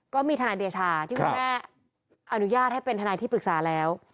ก็มีทนายเดชาที่คุณแม่อนุญาตให้เป็นทนายที่ปรึกษาแล้ว